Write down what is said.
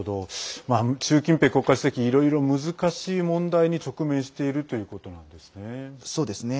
習近平国家主席、いろいろ難しい問題に直面しているということなんですね。